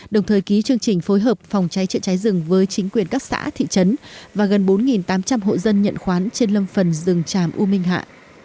đồng thời ký chương trình phối hợp phòng cháy chữa cháy rừng với chính quyền các xã thị trấn và gần bốn tám trăm linh hộ dân nhận khoán trên lâm phần rừng tràm u minh hạ